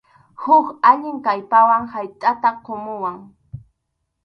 Huk allin kallpawan haytʼata qumuwan.